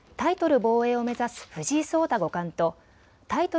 防衛を目指す藤井聡太五冠とタイトル